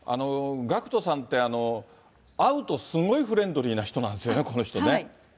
ＧＡＣＫＴさんって、会うとすごいフレンドリーな人なんですよね、この人ね。